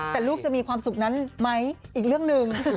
แต่ลูกจะมีความสุขนั้นไหมอีกเรื่องหนึ่ง